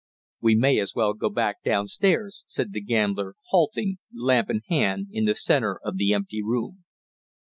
"We may as well go back down stairs," said the gambler, halting, lamp in hand, in the center of the empty room.